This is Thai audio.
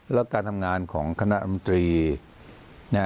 แล้วการทำงานของคณะอำตรี